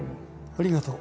ありがとう。